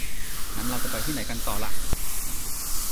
งั้น เราจะไปที่ไหนกันต่อล่ะ ?